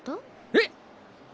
えっ！